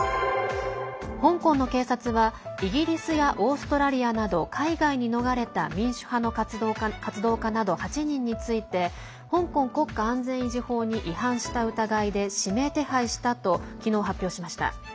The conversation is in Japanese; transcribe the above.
香港の警察はイギリスやオーストラリアなど海外に逃れた民主派の活動家など８人について香港国家安全維持法に違反した疑いで指名手配したと昨日、発表しました。